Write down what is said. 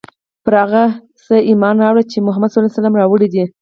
پر هغه څه ایمان راوړی چې محمد ص راوړي دي.